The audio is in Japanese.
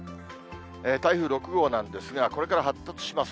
台風６号なんですが、これから発達します。